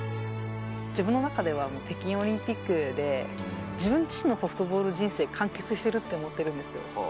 自分の中では北京オリンピックで、自分自身のソフトボール人生、完結してるって思ってるんですよ。